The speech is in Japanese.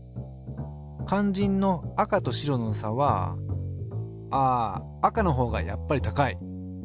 かんじんの赤と白の差はああ赤のほうがやっぱり高い。